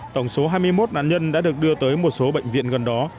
tổng số hai mươi một nạn nhân đã được đưa tới một số bệnh viện gần đó